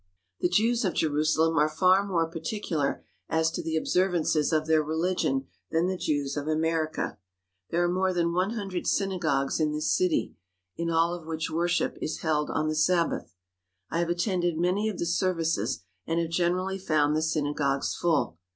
The Jews of Jerusalem are far more particular as to the observances of their religion than the Jews of America. There are more than one hundred synagogues in this city, in all of which worship is held on the Sabbath. I have attended many of the services and have generally found the synagogues full.